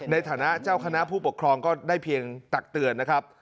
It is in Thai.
ในฐานะเจ้าคณะผู้ปกครองก็ได้เพียงตักเตือนนะครับ